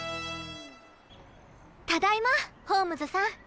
ただいまホームズさん。